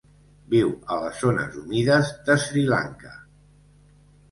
Viu a les zones humides de Sri Lanka.